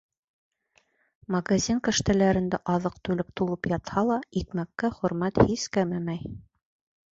Магазин кәштәләрендә аҙыҡ-түлек тулып ятһа ла, икмәккә хөрмәт һис кәмемәй.